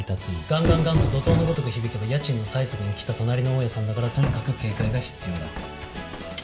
ガンガンガンと怒涛のごとく響けば家賃の催促に来た隣の大家さんだからとにかく警戒が必要だ。